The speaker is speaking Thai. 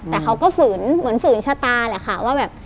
แต่เขาก็ฝืนเหมือนฝืนชะตาแหละค่ะว่าแบบ